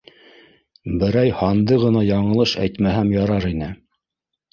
Берәй һанды ғына яңылыш әйтмәһәм ярар ине.